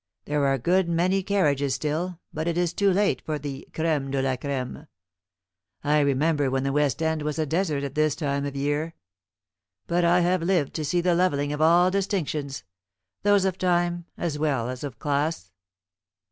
There are a good many carriages still, but it is too late for the crême de la crême. I remember when the West End was a desert at this time of year; but I have lived to see the levelling of all distinctions, those of time as well as of class."